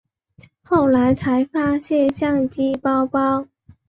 后来才发现相机包包